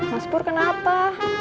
mas pur kenapa